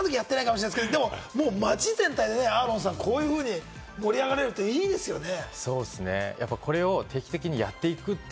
あのときはやってないかもしれないですけれども、街全体でね、アーロンさん、こうやって盛り上がれるっていいですね。